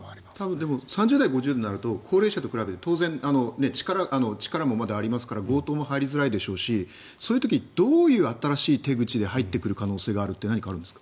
多分３０代、５０代になると高齢者に比べて力もまだありますから強盗も入りづらいでしょうしそういう時どういう新しい手口で入ってくる可能性があるって何かあるんですか。